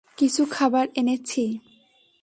কিছু খাবার এনেছি!